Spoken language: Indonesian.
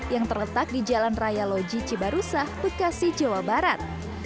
yang terletak di jalan raya loji cibarusah bekasi jawa barat